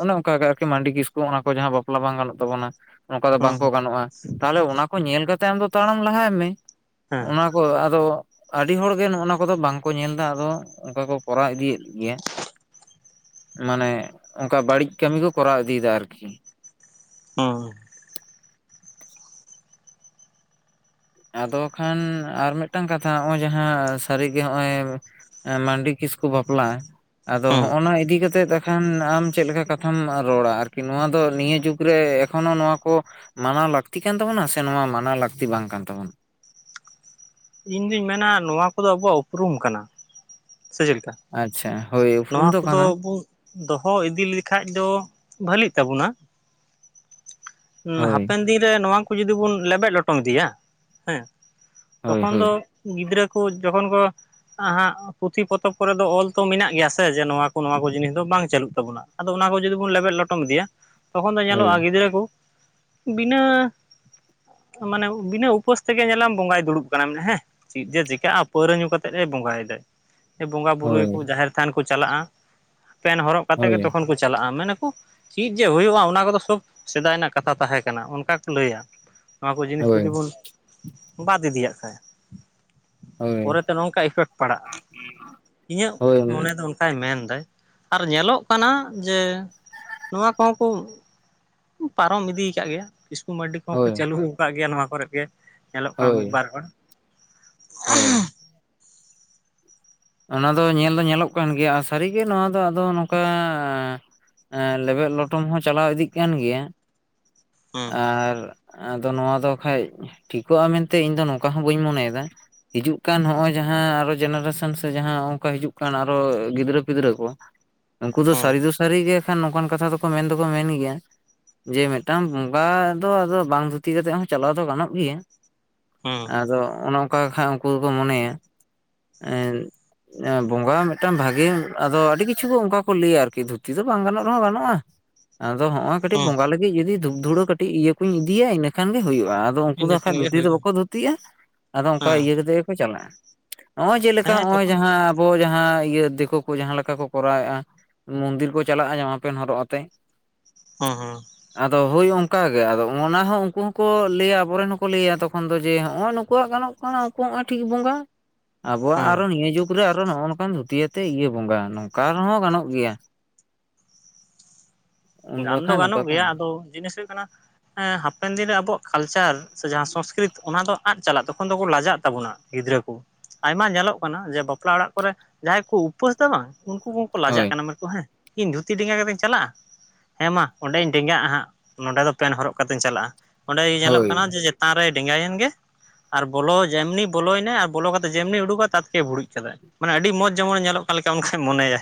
ᱚᱱᱮ ᱚᱱᱠᱟᱜ ᱜᱮ ᱟᱨᱠᱤ ᱢᱟᱱᱰᱤ ᱠᱤᱥᱠᱩ ᱚᱱᱟ ᱠᱚ ᱡᱟᱦᱟᱸ ᱵᱟ ᱯᱞᱟ ᱵᱟᱝ ᱜᱟᱱᱚᱜ ᱛᱟᱵᱚᱱᱟ, ᱱᱚᱱᱠᱟ ᱫᱚ ᱦᱩᱸ ᱵᱟᱝᱠᱚ ᱜᱟᱱᱚᱜᱼᱟ, ᱛᱟᱦᱚᱞᱮ ᱚᱱᱟ ᱠᱚ ᱧᱮᱞ ᱠᱟᱛᱮ ᱟᱢ ᱫᱚ ᱛᱟᱲᱟᱢ ᱞᱟᱦᱟᱭ ᱢᱮ ᱦᱮᱸ ᱚᱱᱟ ᱟᱫᱚ ᱟᱹᱰᱤ ᱦᱚᱲ ᱜᱮ ᱱᱚᱸᱜᱼᱱᱚᱣᱟ ᱠᱚᱫᱚ ᱵᱟᱝ ᱠᱚ ᱧᱮᱞ ᱮᱫᱟ ᱟᱫᱚ ᱚᱱᱠᱟ ᱠᱚ ᱠᱚᱨᱟᱣ ᱤᱫᱤᱭᱮᱫ ᱜᱮᱭᱟ ᱢᱟᱱᱮ ᱚᱱᱠᱟ ᱵᱟᱹᱲᱤᱡ ᱠᱟᱹᱢᱤ ᱠᱚ ᱠᱚᱨᱟᱣ ᱤᱫᱤᱭᱮᱫᱟ ᱟᱨᱠᱤ᱾ ᱦᱩᱸ᱾ ᱟᱫᱚ ᱠᱷᱟᱱ ᱟᱨ ᱢᱤᱫᱴᱟᱝ ᱠᱟᱛᱷᱟ ᱱᱚᱸᱜᱼᱚᱭ ᱡᱟᱦᱟᱸ ᱥᱟᱹᱨᱤᱜᱮ ᱱᱚᱸᱜᱼᱚᱭ ᱮᱸ ᱢᱟᱱᱰᱤ ᱠᱤᱥᱠᱩ ᱵᱟᱯᱞᱟ ᱟᱫᱚ ᱦᱩᱸ ᱦᱚᱸᱜᱼᱱᱟ ᱤᱫᱤ ᱠᱟᱛᱮᱫ ᱮᱠᱷᱟᱱ ᱟᱢ ᱪᱮᱫ ᱞᱮᱠᱟ ᱠᱟᱛᱷᱟᱢ ᱨᱚᱲᱟ ᱟᱨᱠᱤ ᱱᱚᱣᱟ ᱫᱚ ᱱᱤᱭᱟᱹ ᱡᱩᱜᱽ ᱨᱮ ᱮᱠᱷᱚᱱᱚ ᱱᱚᱣᱟ ᱠᱚ ᱢᱟᱱᱟᱣ ᱞᱟᱹᱠᱛᱤ ᱠᱟᱱ ᱛᱟᱵᱚᱱᱟ ᱥᱮ ᱱᱚᱣᱟ ᱢᱟᱱᱟᱣ ᱞᱟᱹᱠᱛᱤ ᱵᱟᱝ ᱠᱟᱱ ᱛᱟᱵᱚᱱᱟ? ᱤᱧ ᱫᱩᱧ ᱢᱮᱱᱟ ᱱᱚᱣᱟ ᱠᱚᱫᱚ ᱟᱵᱚᱣᱟᱜ ᱩᱯᱨᱩᱢ ᱠᱟᱱᱟ᱾ ᱥᱮ ᱪᱮᱫ ᱞᱮᱠᱟ? ᱟᱪᱪᱷᱟ ᱦᱳᱭ ᱩᱯᱨᱩᱢ ᱱᱚᱣᱟ ᱫᱚ ᱠᱟᱱᱟ᱾ ᱠᱚᱫᱚ ᱵᱚᱱ ᱫᱚᱦᱚ ᱤᱫᱤ ᱞᱮᱠᱷᱟᱡ ᱫᱚ ᱵᱷᱟᱞᱤᱜ ᱛᱟᱵᱚᱱᱟ᱾ ᱦᱳᱭ ᱦᱟᱯᱮᱱ ᱫᱤᱱ ᱨᱮ ᱱᱚᱣᱟᱠᱩ ᱡᱩᱫᱤ ᱵᱩᱱ ᱞᱮᱵᱮᱫ ᱞᱚᱴᱚᱢ ᱤᱫᱤᱭᱟ ᱦᱮᱸ᱾ ᱦᱳᱭ ᱛᱚᱠᱷᱚᱱ ᱦᱳᱭ ᱫᱚ ᱜᱤᱫᱽᱨᱟᱹ ᱠᱚ ᱡᱚᱠᱷᱚᱱ ᱠᱚ ᱟ ᱦᱟᱸᱜ ᱯᱩᱛᱷᱤ ᱯᱚᱛᱚᱵ ᱠᱚᱨᱮ ᱫᱚ ᱚᱞ ᱛᱚ ᱢᱮᱱᱟᱜ ᱜᱮᱭᱟ ᱥᱮ ᱡᱮ ᱱᱚᱣᱟ ᱠᱚ ᱱᱚᱣᱟ ᱠᱚ ᱡᱤᱱᱤᱥ ᱫᱚ ᱵᱟᱝ ᱪᱟᱹᱞᱩᱜ ᱛᱟᱵᱚᱱᱟ᱾ ᱟᱫᱚ ᱚᱱᱟ ᱠᱚ ᱡᱩᱫᱤ ᱵᱚᱱ ᱞᱮᱵᱮᱫ ᱞᱚᱴᱚᱢ ᱤᱫᱤᱭᱟ ᱛᱚᱠᱷᱚᱱ ᱫᱚ ᱦᱳᱭ ᱧᱮᱞᱚᱜᱼᱟ ᱜᱤᱫᱽᱨᱟᱹ ᱠᱚ ᱵᱤᱱᱟᱹ ᱢᱟᱱᱮ ᱵᱤᱱᱟᱹ ᱩᱯᱟᱹᱥ ᱛᱮᱜᱮ ᱧᱮᱞᱟᱢ ᱵᱚᱸᱜᱟᱭ ᱫᱩᱲᱩᱵ ᱠᱟᱱᱟᱢ ᱦᱮᱸ, ᱪᱮᱫ ᱡᱮ ᱪᱮᱠᱟᱹᱜᱼᱟ ᱯᱟᱹᱣᱨᱟᱹ ᱧᱩ ᱠᱟᱛᱮᱫ ᱮ ᱵᱚᱸᱜᱟᱭᱮᱫᱟᱭ᱾ ᱵᱚᱸᱜᱟ ᱵᱩᱨᱩᱭ ᱦᱳᱭ ᱠᱚ ᱡᱟᱦᱮᱨ ᱛᱷᱟᱱ ᱠᱚ ᱪᱟᱞᱟᱜᱼᱟ ᱯᱮᱱ ᱦᱚᱨᱚᱜ ᱠᱟᱛᱮᱫ ᱜᱮ ᱦᱳᱭ ᱛᱚᱠᱷᱚᱱ ᱠᱚ ᱪᱟᱞᱟᱜᱼᱟ, ᱢᱮᱱᱟᱠᱚ ᱪᱮᱫ ᱡᱮ ᱦᱩᱭᱩᱜᱼᱟ ᱚᱱᱟ ᱠᱚᱫᱚ ᱥᱳᱵ ᱥᱮᱫᱟᱭ ᱨᱮᱱᱟᱜ ᱠᱟᱛᱷᱟ ᱛᱟᱦᱮᱸ ᱠᱟᱱᱟ ᱚᱱᱠᱟ ᱠᱚ ᱞᱟᱹᱭᱟ᱾ ᱱᱚᱣᱟ ᱠᱚ ᱡᱤᱱᱤᱥ ᱦᱳᱭ ᱡᱩᱫᱤ ᱵᱚᱱ ᱵᱟᱫ ᱤᱫᱤᱭᱟᱜ ᱠᱷᱟᱡ᱾ ᱦᱳᱭ ᱯᱚᱨᱮᱛᱮ ᱱᱚᱝᱠᱟ ᱤᱯᱷᱮᱠᱴ ᱯᱟᱲᱟᱜᱼᱟ ᱤᱧᱟᱹᱜ ᱦᱳᱭ ᱢᱚᱱᱮ ᱫᱚ ᱚᱝᱠᱟᱭ ᱢᱮᱱᱫᱟᱭ᱾ ᱟᱨ ᱧᱮᱞᱚᱜ ᱠᱟᱱᱟ ᱡᱮ ᱱᱚᱣᱟ ᱠᱚᱦᱚᱸ ᱠᱩ ᱯᱟᱨᱚᱢ ᱤᱫᱤ ᱠᱟᱜ ᱜᱮᱭᱟ ᱠᱤᱥᱠᱩ ᱢᱟᱨᱰᱤ ᱠᱚᱦᱚᱸ ᱠᱚ ᱦᱳᱭ ᱪᱟᱹᱞᱩ ᱟᱠᱟᱫ ᱜᱮᱭᱟ ᱱᱚᱣᱟ ᱠᱚᱨᱮ ᱜᱮ ᱧᱮᱞᱚᱜ ᱠᱟᱱᱟ ᱦᱳᱭ ᱢᱤᱫ ᱵᱟᱨ ᱦᱚᱲ᱾ ᱦᱳᱭ᱾ ᱚᱱᱟ ᱫᱚ ᱧᱮᱞ ᱫᱚ ᱧᱮᱞᱚᱜ ᱠᱟᱱ ᱜᱮᱭᱟ ᱥᱟᱹᱨᱤᱜᱮ ᱱᱚᱣᱟ ᱫᱚ ᱟᱫᱚ ᱱᱚᱝᱠᱟ? ᱮᱸ ᱞᱮᱵᱮᱫ ᱞᱚᱴᱚᱢ ᱦᱚᱸ ᱪᱟᱞᱟᱣ ᱤᱫᱤᱜ ᱠᱟᱱ ᱜᱮᱭᱟ ᱦᱩᱸ ᱟᱨ ᱟᱫᱚ ᱱᱚᱣᱟ ᱫᱚ ᱠᱷᱟᱱᱡ ᱴᱷᱤᱠᱚᱜᱼᱟ ᱢᱮᱱᱛᱮ ᱤᱧ ᱫᱚ ᱱᱚᱝᱠᱟ ᱦᱚᱸ ᱵᱟᱹᱧ ᱢᱚᱱᱮᱭᱮᱫᱟ᱾ ᱦᱤᱡᱩᱜ ᱠᱟᱱ ᱦᱚᱸᱜᱼᱚᱭ ᱡᱟᱦᱟᱸ ᱟᱨᱚ ᱡᱮᱱᱟᱨᱮᱥᱚᱱ ᱡᱟᱦᱟᱸ ᱚᱱᱠᱟ ᱦᱤᱡᱩᱜ ᱠᱟᱱ ᱟᱨᱚ ᱜᱤᱫᱽᱨᱟᱹ ᱯᱤᱫᱽᱨᱟᱹ ᱠᱚ ᱩᱱᱠᱩ ᱫᱚ ᱥᱟ ᱦᱩᱸ ᱥᱟᱹᱨᱤ ᱜᱮ ᱠᱷᱟᱱ ᱱᱚᱠᱟᱱ ᱠᱟᱛᱷᱟ ᱫᱚᱠᱚ ᱢᱮᱱ ᱫᱚᱠᱚ ᱢᱮᱱ ᱜᱮᱭᱟ ᱡᱮ ᱢᱤᱫᱴᱟᱝ ᱵᱚᱸᱜᱟ ᱫᱚ ᱟᱫᱚ ᱵᱟᱝ ᱫᱷᱩᱛᱤ ᱠᱟᱛᱮᱜ ᱦᱚᱸ ᱪᱟᱞᱟᱣ ᱫᱚ ᱜᱟᱱᱚᱜ ᱜᱮᱭᱟ, ᱦᱩᱸ ᱟᱫᱚ ᱚᱱᱮ ᱚᱱᱠᱟ ᱠᱷᱟᱡ ᱩᱱᱠᱩ ᱫᱚᱠᱚ ᱢᱚᱱᱮᱭᱟ ᱮᱸ ᱵᱚᱸᱜᱟ ᱢᱤᱫᱴᱟᱝ ᱵᱷᱟᱜᱮ ᱟᱫᱚ ᱟᱹᱰᱤ ᱠᱤᱪᱷᱩ ᱚᱱᱠᱟ ᱠᱚ ᱞᱟᱹᱭᱟ ᱟᱨᱠᱤ ᱫᱷᱩᱛᱤ ᱫᱚ ᱵᱟᱝ ᱜᱟᱱᱚᱜ ᱨᱮᱦᱚᱸ ᱜᱟᱱᱚᱜᱼᱟ᱾ ᱟᱫᱚ ᱦᱚᱸᱜᱼᱚᱭ ᱠᱟᱹᱴᱤᱡ ᱦᱩᱸ ᱵᱚᱸᱜᱟ ᱞᱟᱹᱜᱤᱫ ᱡᱩᱫᱤ ᱫᱷᱩᱯ ᱫᱷᱩᱲᱟᱹ ᱠᱟᱹᱴᱤᱡ ᱤᱭᱟᱹ ᱠᱚᱧ ᱤᱫᱤᱭᱟ ᱤᱱᱟᱹ ᱠᱷᱟᱱ ᱜᱮ ᱦᱩᱭᱩᱜᱼᱟ᱾ ᱟᱫᱚ ᱩᱱᱠᱩ ᱫᱚ ᱤᱱᱟᱹ ᱠᱷᱟᱱ ᱦᱟᱠᱷᱟᱡ ᱜᱮ ᱫᱷᱩᱛᱤ ᱫᱚ ᱦᱩᱭᱩᱜᱼᱟ ᱵᱟᱠᱚ ᱫᱷᱩᱛᱤᱜᱼᱟ ᱟᱫᱚ ᱚᱱᱠᱟ ᱦᱮᱸ ᱤᱭᱟᱹ ᱠᱟᱛᱮ ᱜᱮᱠᱚ ᱪᱟᱞᱟᱜᱼᱟ᱾ ᱦᱮᱸ ᱦᱚᱜᱼᱚᱭ ᱛᱚᱠᱷᱚᱱ ᱡᱟᱦᱟᱸ ᱟᱵᱚ ᱡᱟᱦᱟᱸ ᱤᱭᱟᱹ ᱫᱤᱠᱩ ᱠᱚ ᱡᱟᱦᱟᱸ ᱞᱮᱠᱟ ᱠᱚ ᱠᱚᱨᱟᱣᱮᱫᱼᱟ ᱢᱚᱱᱫᱤᱨ ᱠᱚ ᱪᱟᱞᱟᱜᱼᱟ ᱡᱟᱢᱟ ᱯᱮᱱ ᱦᱚᱨᱚᱜ ᱟᱛᱮ᱾ ᱦᱮᱸ ᱦᱮᱸ ᱟᱫᱚ ᱦᱳᱭ ᱚᱱᱠᱟ ᱜᱮ ᱟᱫᱚ ᱚᱱᱟ ᱦᱚᱸ ᱩᱱᱠᱩ ᱦᱚᱸᱠᱚ ᱞᱟᱹᱭᱟ ᱟᱵᱚᱨᱮᱱ ᱦᱚᱸᱠᱚ ᱞᱟᱹᱭᱟ ᱛᱚᱠᱷᱚᱱ ᱫᱚ ᱡᱮ ᱦᱚᱜᱼᱚᱭ ᱱᱩᱠᱩᱣᱟᱜ ᱜᱟᱱᱚᱜ [inaudible] ᱴᱷᱤᱠ ᱵᱚᱸᱜᱟ ᱦᱮᱸ ᱟᱵᱚᱣᱟᱜ ᱱᱤᱭᱟᱹ ᱡᱩᱜᱽ ᱨᱮ ᱟᱨᱚ ᱱᱚᱜᱼᱚᱱᱠᱟᱱ ᱫᱷᱩᱛᱤᱭᱟᱛᱮᱜ ᱤᱭᱟᱹ ᱵᱚᱸᱜᱟ ᱱᱚᱝᱠᱟ ᱨᱮᱦᱚᱸ ᱜᱟᱱᱚᱜ ᱜᱮᱭᱟ [inaudible] ᱜᱟᱱ ᱫᱚ ᱵᱟᱠᱷᱟᱱ ᱱᱚᱝᱠᱟ ᱜᱟᱱᱚᱜ ᱠᱚ ᱜᱮᱭᱟ ᱟᱫᱚ ᱡᱤᱱᱤᱥ ᱦᱩᱭᱩᱜ ᱠᱟᱱᱟ ᱦᱟᱯᱮᱱ ᱫᱤᱱ ᱨᱮ ᱟᱵᱚᱣᱟᱜ ᱠᱟᱞᱪᱟᱨ ᱥᱮ ᱡᱟᱦᱟᱸ ᱥᱚᱝᱥᱠᱨᱤᱛ ᱚᱱᱟ ᱫᱚ ᱟᱫ ᱪᱟᱞᱟᱜ ᱛᱚᱠᱷᱚᱱ ᱫᱚᱠᱚ ᱞᱟᱡᱟᱜ ᱛᱟᱵᱚᱱᱟ ᱜᱤᱫᱽᱨᱟᱹ ᱠᱚ᱾ ᱟᱭᱢᱟ ᱧᱮᱞᱚᱜ ᱠᱟᱱᱟ ᱡᱮ ᱵᱟᱯᱞᱟ ᱚᱲᱟᱜ ᱠᱚᱨᱮ ᱡᱟᱦᱟᱸᱭ ᱠᱚ ᱩᱯᱟᱹᱥ ᱫᱟ ᱵᱟᱝ ᱩᱱᱠᱩ ᱠᱩ ᱞᱟᱡᱟᱜ ᱦᱳᱭ ᱠᱟᱱᱟ ᱦᱮᱸ ᱤᱧ ᱫᱷᱩᱛᱤ ᱰᱮᱸᱜᱟ ᱠᱟᱛᱮᱧ ᱪᱟᱞᱟᱜᱼᱟ᱾ ᱦᱮᱸ ᱢᱟ ᱚᱸᱰᱮᱧ ᱰᱮᱸᱜᱟᱜᱼᱟ ᱦᱟᱸᱜ ᱱᱚᱸᱰᱮ ᱫᱚ ᱯᱮᱱ ᱦᱚᱨᱚᱜ ᱠᱟᱛᱮᱧ ᱪᱟᱞᱟᱜᱼᱟ ᱚᱸᱰᱮ ᱧᱮᱞᱚᱜ ᱦᱳᱭ ᱠᱟᱱᱟ ᱡᱮ ᱛᱷᱟᱱ ᱨᱮᱭ ᱰᱮᱸᱜᱟᱭᱮᱱ ᱜᱮ ᱟᱨ ᱵᱚᱞᱚ ᱡᱮᱢᱱᱤᱭ ᱵᱚᱞᱚᱭᱮᱱᱟᱭ ᱟᱨ ᱵᱚᱞᱚ ᱠᱟᱛᱮᱜ ᱡᱮᱢᱱᱤᱭ ᱩᱰᱩᱚᱜᱼᱟᱭ ᱛᱮᱢᱱᱤᱭ ᱵᱷᱩᱲᱩᱡ ᱠᱟᱫᱟᱭ᱾ ᱢᱟᱱᱮ ᱟᱹᱰᱤ ᱢᱚᱡᱽ ᱡᱮᱢᱚᱱᱮ ᱧᱮᱞᱚᱜ ᱠᱟᱱ ᱞᱮᱠᱟ ᱚᱱᱠᱟᱭ ᱢᱚᱱᱮᱭᱟ᱾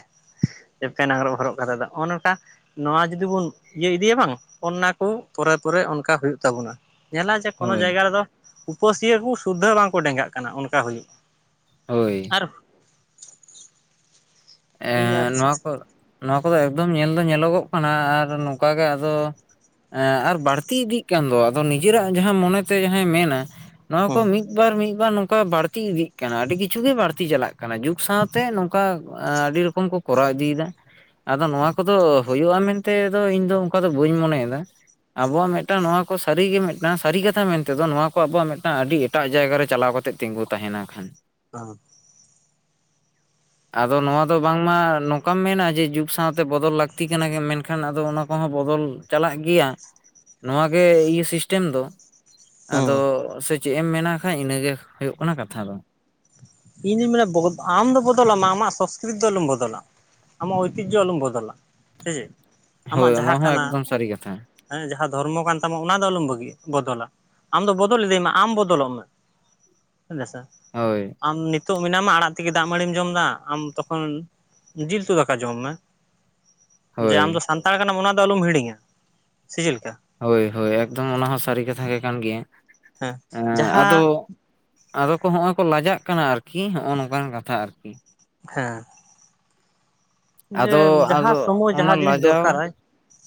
ᱮ ᱯᱮᱱ ᱟᱝᱨᱚᱵ ᱦᱚᱨᱚᱜ ᱠᱟᱛᱮ ᱫᱚ ᱚᱱᱠᱟ ᱱᱚᱣᱟ ᱡᱩᱫᱤ ᱵᱩᱱ ᱤᱭᱟᱹ ᱤᱫᱤᱭᱟᱵᱟᱝ ᱚᱱᱟ ᱠᱚ ᱯᱚᱨᱮ ᱯᱚᱨᱮ ᱚᱱᱠᱟ ᱦᱩᱭᱩᱜ ᱛᱟᱵᱩᱱᱟ᱾ ᱧᱮᱞᱟ ᱡᱮ ᱠᱳᱱᱳ ᱦᱳᱭ ᱡᱟᱭᱜᱟ ᱨᱮᱫᱚ ᱩᱯᱟᱹᱥᱤᱭᱟᱹ ᱠᱩ ᱥᱩᱫᱟᱹ ᱵᱟᱝᱠᱚ ᱰᱮᱸᱜᱟᱜ ᱠᱟᱱᱟ ᱚᱱᱠᱟ ᱦᱩᱭᱩᱜ ᱦᱳᱭ ᱮ ᱱᱚᱣᱟ ᱠᱚ ᱱᱚᱣᱟ ᱠᱚᱫᱚ ᱮᱠᱫᱚᱢ ᱧᱮᱞ ᱫᱚ ᱧᱮᱞᱚᱜᱚᱜ ᱠᱟᱱᱟ ᱟᱨ ᱱᱚᱠᱟ ᱜᱮ ᱟᱫᱚ ᱟᱨ ᱵᱟᱹᱲᱛᱤ ᱤᱫᱤᱜ ᱠᱟᱱ ᱫᱚ ᱟᱫᱚ ᱱᱤᱡᱮᱨᱟᱜ ᱡᱟᱦᱟᱸ ᱢᱚᱱᱮᱛᱮ ᱡᱟᱦᱟᱸᱭ ᱢᱮᱱᱟ ᱱᱚᱣᱟ ᱠᱚ ᱦᱩᱸ ᱢᱤᱫ ᱵᱟᱨ ᱢᱤᱫ ᱵᱟᱨ ᱱᱚᱝᱠᱟ ᱵᱟᱹᱲᱛᱤ ᱤᱫᱤᱜ ᱠᱟᱱᱟ ᱟᱹᱰᱤ ᱠᱤᱪᱷᱩ ᱜᱮ ᱵᱟᱹᱲᱛᱤ ᱪᱟᱞᱟᱜ ᱠᱟᱱᱟ᱾ ᱠᱟᱱᱟ ᱡᱩᱜᱽ ᱥᱟᱶᱛᱮ ᱱᱚᱝᱠᱟ ᱟᱹᱰᱤ ᱨᱚᱠᱚᱢ ᱠᱚ ᱠᱚᱨᱟᱣ ᱤᱫᱤᱭᱮᱫᱟ ᱟᱫᱚ ᱱᱚᱣᱟ ᱠᱚᱫᱚ ᱦᱳᱭᱳᱜᱼᱟ ᱢᱮᱱᱛᱮ ᱫᱚ ᱤᱧ ᱫᱚ ᱚᱱᱠᱟ ᱫᱚ ᱵᱟᱹᱧ ᱢᱚᱱᱮᱭᱮᱫᱟ ᱟᱵᱚᱣᱟᱜ ᱢᱤᱫᱴᱟᱝ ᱱᱚᱣᱟ ᱠᱚ ᱥᱟᱹᱨᱤᱜᱮ ᱢᱤᱫᱴᱟᱝ ᱥᱟᱹᱨᱤ ᱠᱟᱛᱷᱟ ᱢᱮᱱᱛᱮᱫᱚ ᱱᱚᱣᱟ ᱠᱚ ᱟᱵᱚᱣᱟᱜ ᱢᱤᱫᱴᱟᱝ ᱟᱹᱰᱤ ᱮᱴᱠ ᱮᱴᱟᱜ ᱡᱟᱭᱜᱟ ᱨᱮ ᱪᱟᱞᱟᱣ ᱠᱟᱛᱮᱜ ᱛᱤᱸᱜᱩ ᱛᱟᱦᱮᱱᱟ ᱠᱷᱟᱱ [unintelligible] ᱟᱫᱚ ᱱᱚᱣᱟ ᱫᱚ ᱵᱟᱝᱢᱟ ᱱᱚᱠᱟᱢ ᱢᱮᱱᱟ ᱡᱮ ᱡᱩᱜᱽ ᱥᱟᱶᱛᱮ ᱵᱚᱫᱚᱞ ᱞᱟᱹᱠᱛᱤ ᱠᱟᱱᱟ ᱜᱮ ᱢᱮᱱᱠᱷᱟᱱ ᱟᱫᱚ ᱚᱱᱟ ᱠᱚᱦᱚᱸ ᱵᱚᱫᱚᱞ ᱪᱟᱞᱟᱜ ᱜᱮᱭᱟ ᱱᱚᱣᱟ ᱜᱮ ᱤᱭᱟᱹ ᱥᱤᱥᱴᱮᱢ ᱫᱚ᱾ ᱟᱫᱚ ᱦᱩᱸ ᱥᱮ ᱪᱮᱫ ᱮᱢ ᱢᱮᱱᱟ ᱠᱷᱟᱡ ᱤᱱᱟᱹᱜᱮ ᱦᱳᱭᱳᱜ ᱠᱟᱱᱟ ᱠᱟᱛᱷᱟ ᱫᱚ ᱤᱧᱫᱩᱧ ᱢᱮᱱᱟᱭᱟ ᱵᱚᱫ ᱟᱢ ᱫᱚ ᱵᱚᱫᱚᱞᱚᱜ ᱢᱮ ᱟᱢᱟᱜ ᱥᱚᱥᱠᱨᱤᱛ ᱫᱚ ᱟᱞᱩᱢ ᱵᱚᱫᱚᱞᱟ᱾ ᱟᱢᱟᱜ ᱳᱭᱛᱤᱡᱚ ᱟᱞᱚᱢ ᱵᱚᱫᱚᱞᱟ ᱥᱮᱪᱮᱫ ᱟᱢᱟᱜ ᱦᱳᱭ ᱚᱱᱟ ᱡᱟᱦᱟᱸ ᱦᱚᱸ ᱠᱟᱱᱟ᱾ ᱮᱠᱫᱚᱢ ᱥᱟᱹᱨᱤ ᱠᱟᱛᱷᱟ ᱦᱮᱸ ᱡᱟᱦᱟᱸ ᱫᱷᱚᱨᱢᱚ ᱠᱟᱱ ᱛᱟᱢᱟ ᱚᱱᱟ ᱫᱚ ᱟᱞᱚᱢ ᱵᱟᱹᱜᱤ ᱵᱚᱫᱚᱞᱟ ᱟᱢ ᱫᱚ ᱵᱚᱫᱚᱞ ᱤᱫᱤᱭ ᱢᱮ ᱟᱢ ᱵᱚᱫᱚᱞᱚᱜ ᱢᱮ᱾ [inaudible] ᱦᱳᱭ ᱟᱢ ᱱᱤᱛᱚᱜ ᱢᱮᱱᱟᱢᱟ ᱟᱲᱟᱜ ᱛᱮᱜᱮ ᱫᱟᱜ ᱢᱟᱹᱲᱤᱢ ᱡᱚᱢ ᱮᱫᱟ ᱟᱢ ᱛᱚᱠᱷᱚᱱ ᱡᱤᱞ ᱩᱛᱩ ᱫᱟᱠᱟ ᱡᱚᱢ ᱢᱮ᱾ ᱡᱮ ᱦᱳᱭ ᱟᱢᱫᱚ ᱥᱟᱱᱛᱟᱲ ᱠᱟᱱᱟᱢ ᱚᱱᱟ ᱫᱚ ᱟᱞᱚᱢ ᱦᱤᱲᱤᱧᱟ ᱥᱮ ᱪᱮᱫ ᱞᱮᱠᱟ? ᱦᱳᱭ ᱦᱳᱭ ᱮᱠᱫᱚᱢ ᱚᱱᱟ ᱦᱚᱸ ᱥᱟᱹᱨᱤ ᱠᱟᱛᱷᱟ ᱜᱮ ᱠᱟᱱ ᱜᱮᱭᱟ ᱦᱮᱸ ᱟᱫᱚ ᱡᱟᱦᱟᱸ ᱟᱫᱚ ᱠᱚ ᱦᱚᱜᱼᱚᱭ ᱠᱚ ᱞᱟᱡᱟᱜ ᱠᱟᱱᱟ ᱟᱨᱠᱤ ᱦᱚᱜᱚᱱ ᱱᱚᱝᱠᱟᱱ ᱠᱟᱛᱷᱟ ᱟᱨᱠᱤ ᱦᱮᱸ ᱡᱮ ᱟᱫᱚ ᱡᱟᱦᱟᱸ ᱟᱫᱚ ᱥᱚᱢᱚᱭ ᱚᱱᱟ ᱡᱟᱦᱟᱸ ᱡᱤᱱᱤᱥ ᱞᱟᱡᱟᱣ ᱫᱚᱨᱠᱟᱨᱟ